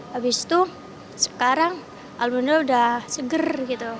habis itu sekarang albunnya sudah seger gitu